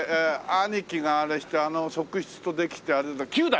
兄貴があれしてあの側室とできてあれで九代！？